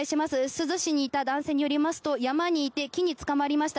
珠洲市にいた男性によりますと山にいて木につかまりました。